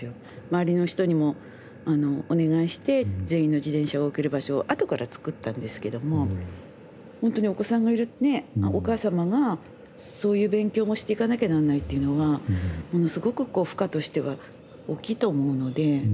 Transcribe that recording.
周りの人にもお願いして全員の自転車を置ける場所を後から作ったんですけどもほんとにお子さんがいるお母様がそういう勉強もしていかなきゃなんないというのはものすごくこう負荷としては大きいと思うので。